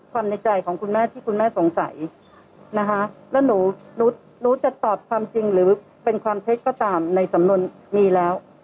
ในใจของคุณแม่ที่คุณแม่สงสัยนะคะแล้วหนูรู้จะตอบความจริงหรือเป็นความเท็จก็ตามในสำนวนมีแล้ว